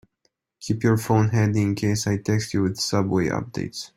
Keep your phone handy in case I text you with subway updates.